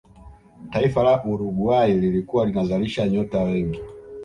taifa la uruguay lilikuwa linazalisha nyota wengi